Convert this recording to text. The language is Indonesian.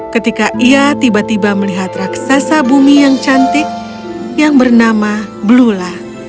ketika ia tiba tiba melihat raksasa bumi yang cantik yang bernama blula